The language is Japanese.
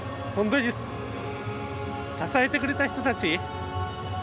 本当に支えてくれた人たち